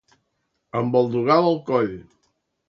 Amb el dogal al coll.